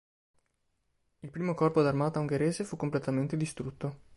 Il I Corpo d'armata ungherese fu completamente distrutto.